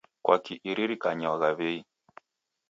Kwaki iririkanywagha wei.